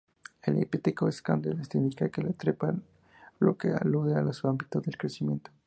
El epíteto "scandens" significa "que trepa", lo que alude a su hábito de crecimiento.